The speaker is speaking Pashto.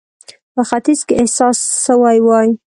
په ختیځ کې احساس سوې وای.